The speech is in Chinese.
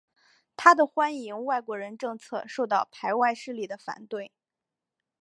他的欢迎外国人政策受到排外势力的反对。